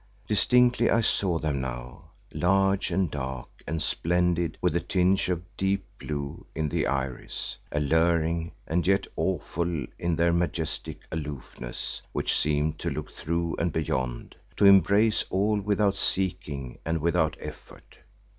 Distinctly I saw them now, large and dark and splendid with a tinge of deep blue in the iris; alluring and yet awful in their majestic aloofness which seemed to look through and beyond, to embrace all without seeking and without effort.